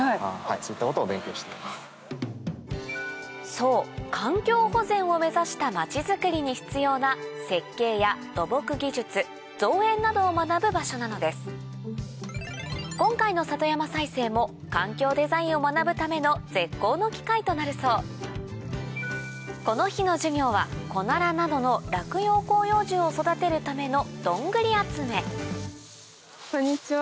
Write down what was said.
そう環境保全を目指した街づくりに必要な設計や土木技術造園などを学ぶ場所なのです今回の里山再生も環境デザインを学ぶための絶好の機会となるそうこの日の授業はコナラなどのこんにちは。